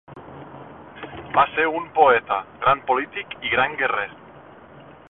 Va ser un poeta, gran polític i gran guerrer.